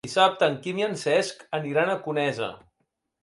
Dissabte en Quim i en Cesc aniran a Conesa.